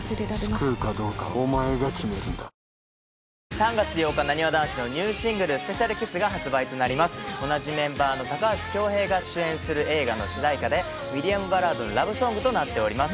３月８日なにわ男子のニューシングル「ＳｐｅｃｉａｌＫｉｓｓ」が発売となります同じメンバーの高橋恭平が主演する映画の主題歌でミディアムバラードのラブソングとなっております